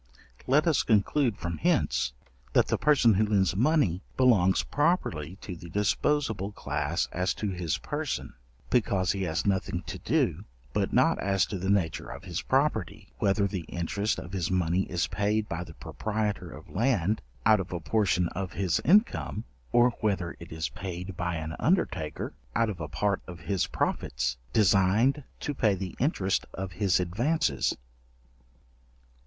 Let us conclude from hence, that the person who lends money belongs properly to the disposable class as to his person, because he has nothing to do; but not as to the nature of his property, whether the interest of his money is paid by the proprietor of land out of a portion of his income, or whether it is paid by an undertaker, out of a part of his profits designed to pay the interest of his advances.